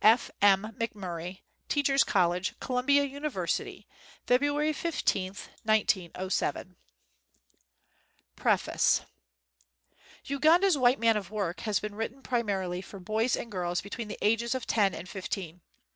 F. M. McMurry Teachers College, Columbia University. February 15, 1907. xm PREFACE Uganda's White Man of Work has been written primarily for boys and girls between the ages of ten and fifteen.